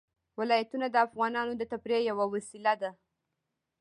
ولایتونه د افغانانو د تفریح یوه وسیله ده.